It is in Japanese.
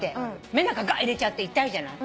目の中ガッ入れちゃって痛いじゃない。